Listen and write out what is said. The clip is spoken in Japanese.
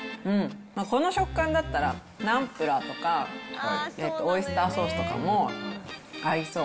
この食感だったら、ナンプラーとか、オイスターソースとかも合いそう。